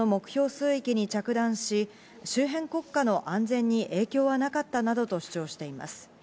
水域に着弾し、周辺国家の安全に影響はなかったなどと主張しています。